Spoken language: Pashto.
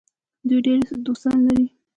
دوی ډیر دوستان لري.